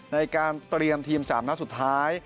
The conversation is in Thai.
ในการเตรียมทีมสามรักษณ์สุดท้าย